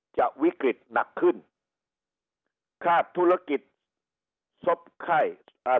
จะวิกฤตหนักขึ้นคาดธุรกิจซบไข้อ่า